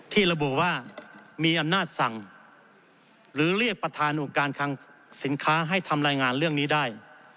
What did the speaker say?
ระบุว่ามีอำนาจสั่งหรือเรียกประธานองค์การคังสินค้าให้ทำรายงานเรื่องนี้ได้